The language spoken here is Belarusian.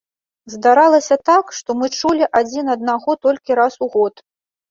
Здаралася так, што мы чулі адзін аднаго толькі раз у год.